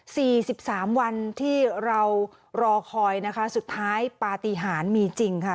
สิบสามวันที่เรารอคอยนะคะสุดท้ายปฏิหารมีจริงค่ะ